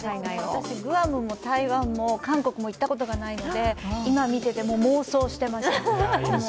私グアムも台湾も韓国も行ったことがないので今見てて、妄想していました。